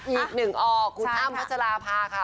อีกหนึ่งอคุณอ้ำพัชราภาค่ะ